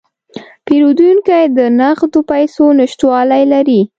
پیرودونکی د نغدو پیسو نشتوالی لري.